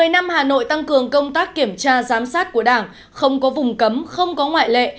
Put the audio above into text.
một mươi năm hà nội tăng cường công tác kiểm tra giám sát của đảng không có vùng cấm không có ngoại lệ